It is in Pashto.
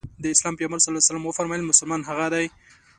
د اسلام پيغمبر ص وفرمايل مسلمان هغه دی.